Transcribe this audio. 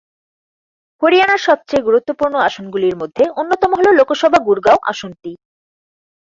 হরিয়ানার সবচেয়ে গুরুত্বপূর্ণ আসনগুলির মধ্যে অন্যতম হল লোকসভা গুরগাঁও আসনটি।